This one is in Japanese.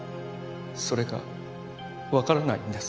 それがわからないんです。